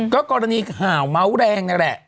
ก็กรณีข่าวเมาส์แรงนั่นแหละ